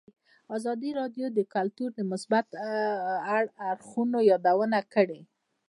ازادي راډیو د کلتور د مثبتو اړخونو یادونه کړې.